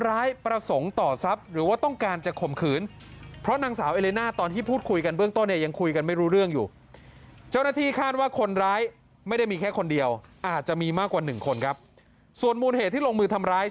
อาจจะมีมากกว่า๑คนครับส่วนมูลเหตุที่ลงมือทำร้าย